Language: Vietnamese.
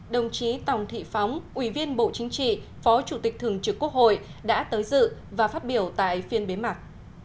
đồng chí tòng thị phóng ủy viên bộ chính trị phó chủ tịch thường trực quốc hội đã tới dự và phát biểu tại phiên bế mạc